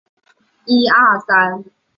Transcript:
延熙十五年刘琮被立为西河王。